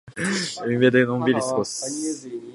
海辺でのんびり過ごす。